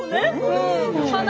うん。